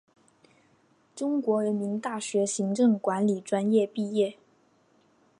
中国人民大学行政管理专业毕业。